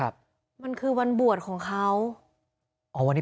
พวกมันต้องกินกันพี่